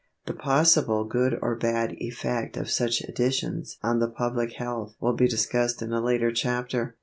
The possible good or bad effect of such additions on the public health will be discussed in a later chapter.